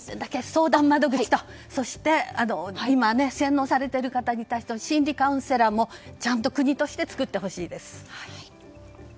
相談窓口と洗脳されている方は心理カウンセラーもちゃんと国として作ってほしいです。